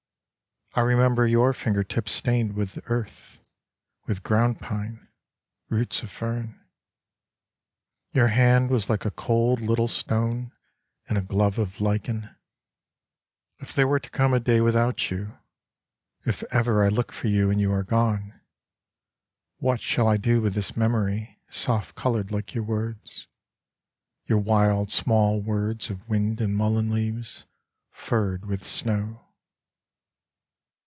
I remember your fingertips stained with earth, With ground pine ... roots of fern ... Your hand was like a cold little stone In a glove of lichen. 58 Hilda in the Wood If there were to come a day without you, If ever I look for you And you are gone, What shall I do with this memory Soft colored like your words, Your wild small words of wind and mullein leaves Furred with snow